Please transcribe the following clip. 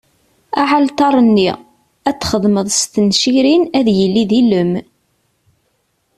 Aɛalṭar-nni? ad t-txedmeḍ s tencirin, ad yili d ilem.